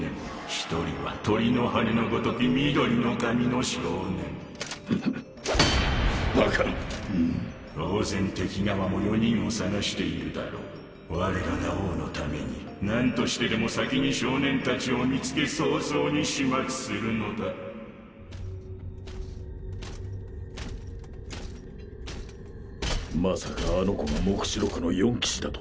一人は鳥の羽のごとき翠の髪の少年バカな当然敵側も４人を捜しているだろう我らが王のために何としてでも先に少年達を見つけ早々に始末するのだまさかあの子が黙示録の四騎士だと？